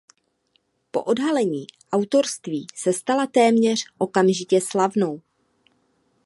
Po odhalení autorství se stala téměř okamžitě slavnou.